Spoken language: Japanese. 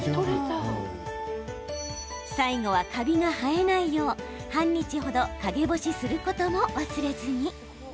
最後は、カビが生えないよう半日程、陰干しすることも忘れずに。